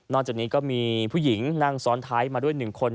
จากนี้ก็มีผู้หญิงนั่งซ้อนท้ายมาด้วย๑คน